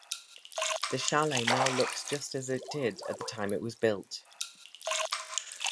The Chalet now looks just as it did at the time it was built.